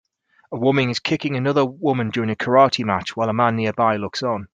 A woman is kicking another woman during a karate match while a man nearby looks on.